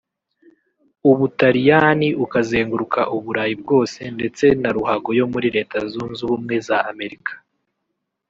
u Butaliyani ukazenguruka u Burayi bwose ndetse na ruhago yo muri Leta Zunze Ubumwe za Amerika